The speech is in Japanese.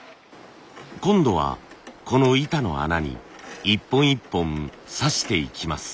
今度はこの板の穴に一本一本差していきます。